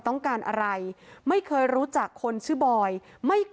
ปืนมันลั่นไปใส่แฟนสาวเขาก็ยังยันกับเราเหมือนเดิมแบบนี้นะคะ